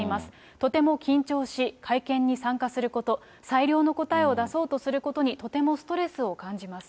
とても緊張し、会見に参加すること、最良の答えを出そうとすることにとてもストレスを感じます。